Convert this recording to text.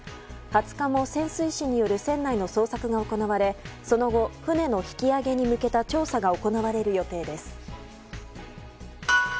２０日も潜水士による船内の捜索が行われその後、船の引き揚げに向けた調査が行われる予定です。